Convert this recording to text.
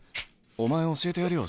お前教えてやれよ